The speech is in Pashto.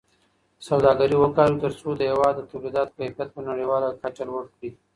سوداګري وکاروئ ترڅو د هېواد د تولیداتو کیفیت په نړیواله کچه لوړ کړئ.